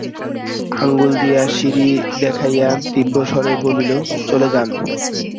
আঙুল দিয়া সিঁড়ি দেখাইয়া তীব্রস্বরে বলিল, চলে যান।